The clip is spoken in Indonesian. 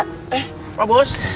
eh pak bos